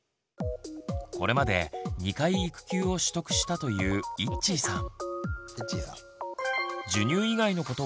これまで２回育休を取得したといういっちーさん。